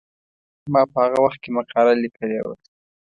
ما په هغه وخت کې مقاله لیکلې وه.